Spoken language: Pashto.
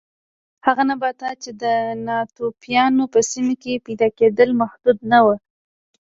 هغه نباتات چې د ناتوفیانو په سیمه کې پیدا کېدل محدود نه و